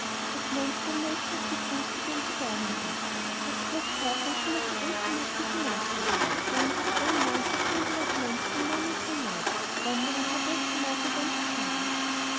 At length some notion of the truth began to dawn on him; but he was careful to let the old tanuki see nothing, though in his own mind he turned over plans from morning till night, wondering how best he might avenge his mother.